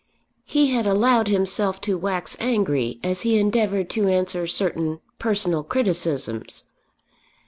He had allowed himself to wax angry as he endeavoured to answer certain personal criticisms.